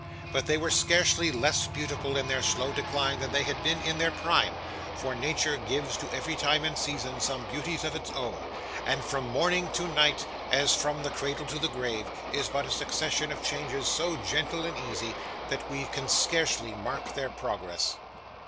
But they were scarcely less beautiful in their slow decline, than they had been in their prime; for nature gives to every time and season some beauties of its own; and from morning to night, as from the cradle to the grave, is but a succession of changes so gentle and easy, that we can scarcely mark their progress.